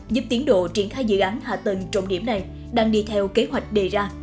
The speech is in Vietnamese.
giúp tiến độ triển khai dự án hạ tầng trọng điểm này đang đi theo kế hoạch đề ra